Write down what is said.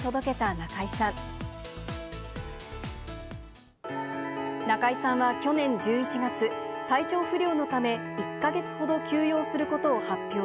中居さんは去年１１月、体調不良のため、１か月ほど休養することを発表。